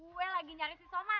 gue lagi nyari si somad